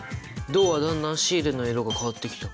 銅はだんだんシールの色が変わってきた！